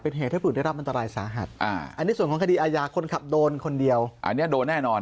เป็นเหตุให้ผู้อื่นได้รับอันตรายสาหัสอันนี้ส่วนของคดีอาญาคนขับโดนคนเดียวอันนี้โดนแน่นอน